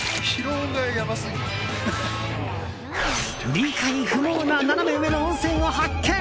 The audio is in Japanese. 理解不能なナナメ上の温泉を発見！